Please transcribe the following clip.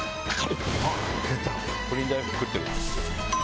プリン大福食ってる。